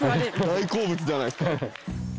大好物じゃないですか。